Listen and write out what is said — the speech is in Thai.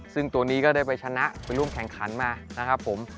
ซึ่งตัวนี้ก็ได้ไปชนะไปร่วมแข่งขันมานะครับผม